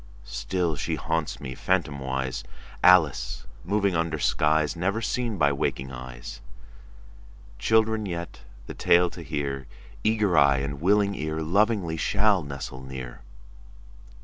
Still she haunts me, phantomwise, Alice moving under skies Never seen by waking eyes. Children yet, the tale to hear, Eager eye and willing ear, Lovingly shall nestle near.